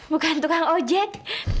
bukan tukang ojek